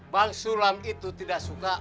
bang sulam itu tidak suka